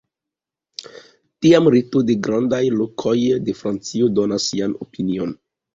Tiam Reto de Grandaj Lokoj de Francio donas sian opinion.